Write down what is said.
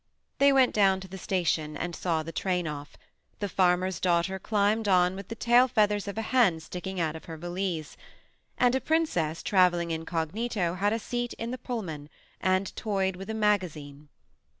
They went down to the station and saw the train off. The farmer's daughter climbed on with the tail feathers of a hen sticking out of her valise, and a princess UREi cAsk ' SCIl, from page Sij traveling incognito had a seat ~iri "the PulT man and toyed with a magazine.